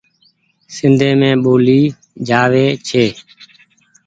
سندي مين ٻولي جآوي ڇي ۔